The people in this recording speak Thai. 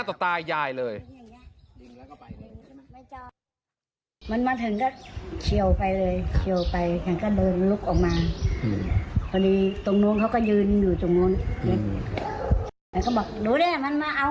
แต่ทีนี้เขาก็ไปยืนตรงนั้นพอมันกลับมา